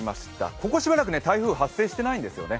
ここしばらく台風、発生していないんですよね。